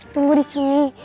tunggu di sini